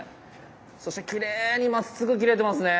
そしてきれいにまっすぐ切れてますね。